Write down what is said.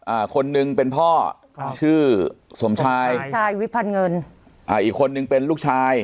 อ่าคนนึงเป็นพ่อครับชื่อสมชายชายวิพันธ์เงินอ่าอีกคนนึงเป็นลูกชาย